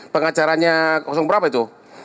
pengacaranya berapa itu